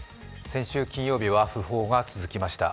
先週金曜日は訃報が続きました。